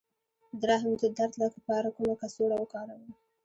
د رحم د درد لپاره کومه کڅوړه وکاروم؟